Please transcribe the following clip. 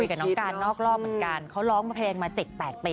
มาภายโบ้งให้นาบโหงหลับทึ่งแม่งทะแม่ง